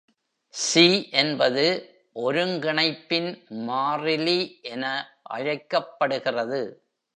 "C" என்பது ஒருங்கிணைப்பின் மாறிலி என அழைக்கப்படுகிறது.